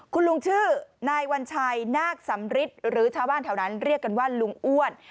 คุณลุงชื่อนายวัญชัยนาคสำริทหรือชาวบ้านแถวนั้นเรียกกันว่าลุงอ้วน